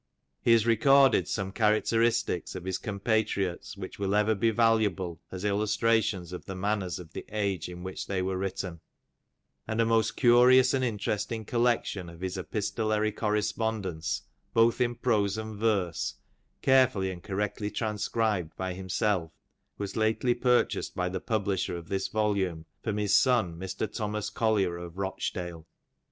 He has recorded some characteristics of his compatriots which will ever be valuable as illustrations of the manners of the age in which they were written ; and a most curious and interesting collection of his epistolary correspondence both in prose and verse, carefully and correctly transcribed by himself, was lately purchased by the publisher of this volume, from his son Mr. Thomas Collier of Eochdale.